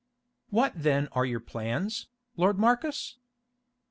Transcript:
"What then are your plans, lord Marcus?"